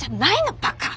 バカ！